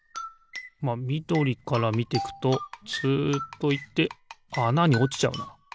まあみどりからみてくとツッといってあなにおちちゃうな。